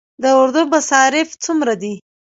د اردو مصارف څومره دي؟